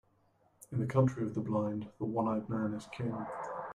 In the country of the blind, the one-eyed man is king.